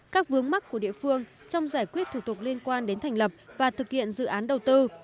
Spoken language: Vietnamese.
các vướng mắt của địa phương trong giải quyết thủ tục liên quan đến thành lập và thực hiện dự án đầu tư